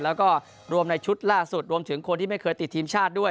แล้วก็รวมในชุดล่าสุดรวมถึงคนที่ไม่เคยติดทีมชาติด้วย